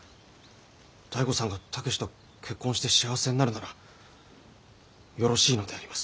醍醐さんが武と結婚して幸せになるならよろしいのであります。